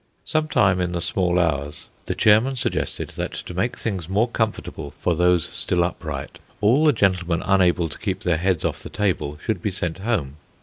Some time in the small hours, the chairman suggested that to make things more comfortable for those still upright, all the gentlemen unable to keep their heads off the table should be sent home.